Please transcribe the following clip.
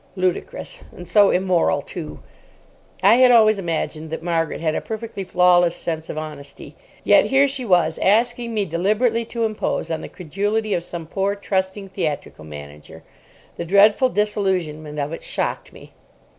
Ludicrous. And so immoral, too. I had always imagined that Margaret had a perfectly flawless sense of honesty. Yet here she was asking me deliberately to impose on the credulity of some poor, trusting theatrical manager. The dreadful disillusionment of it shocked me.